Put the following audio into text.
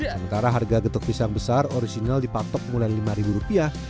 sementara harga getok pisang besar original dipatok mulai lima ribu rupiah